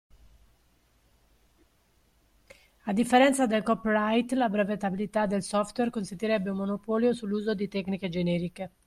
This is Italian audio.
A differenza del copyright la brevettabilità del software consentirebbe un monopolio sull'uso di tecniche generiche.